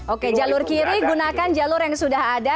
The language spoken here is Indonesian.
oke jalur kiri gunakan jalur yang sudah ada